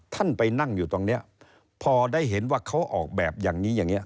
ท่านไปนั่งอยู่ตรงนี้พอได้เห็นว่าเขาออกแบบอย่างนี้อย่างนี้